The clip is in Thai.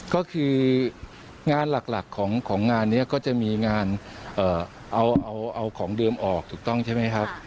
ก็คืองานหลักของงานนี้ก็จะมีงานเอาของเดิมออกถูกต้องใช่ไหมครับ